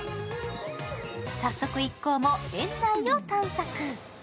早速一行も園内を探索。